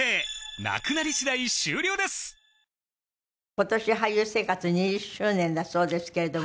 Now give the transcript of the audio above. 今年俳優生活２０周年だそうですけれども。